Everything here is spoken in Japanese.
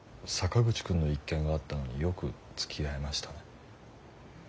坂口くんの一件があったのによくつきあえましたね。